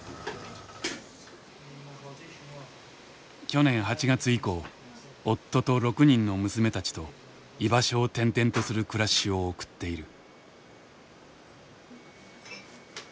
去年８月以降夫と６人の娘たちと居場所を転々とする暮らしを送っている。